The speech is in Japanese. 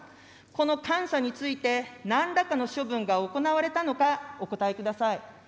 この監査について、なんらかの処分が行われたのか、お答えください。